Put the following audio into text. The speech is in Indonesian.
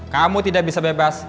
kamu tidak bisa bebas